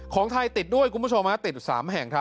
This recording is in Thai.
ของไทยติดด้วยคุณผู้ชมติด๓แห่ง